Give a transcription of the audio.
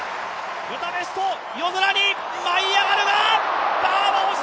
ブダペストの夜空に舞い上がるか！